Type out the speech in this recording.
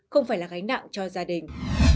không phải là gánh nặng cho gia đình